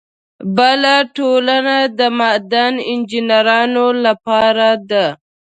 بله ټولنه د معدن انجینرانو لپاره ده.